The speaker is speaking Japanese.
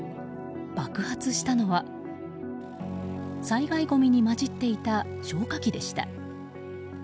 爆発したのは、災害ごみに混じっていた消火器でした。